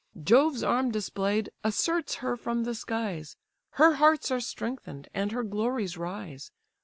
Jove's arm display'd asserts her from the skies! Her hearts are strengthen'd, and her glories rise.